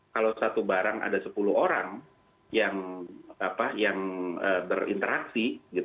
kalau satu barang ada sepuluh orang yang berinteraksi